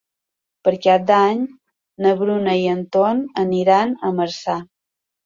Per Cap d'Any na Bruna i en Ton aniran a Marçà.